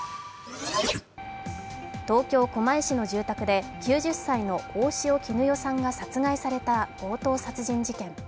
東京・狛江市の住宅で９０歳の大塩衣与さんが殺害された強盗殺人事件。